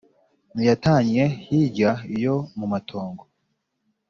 Ntiyatannye hirya iyo mu matongo.